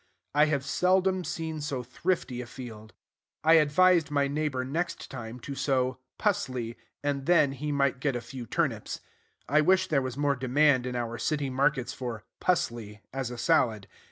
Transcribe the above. I have seldom seen so thrifty a field. I advised my neighbor next time to sow "pusley" and then he might get a few turnips. I wish there was more demand in our city markets for "pusley" as a salad.